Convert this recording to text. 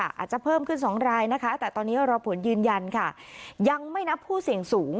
อาจจะเพิ่มขึ้น๒รายนะคะแต่ตอนนี้รอผลยืนยันค่ะยังไม่นับผู้เสี่ยงสูง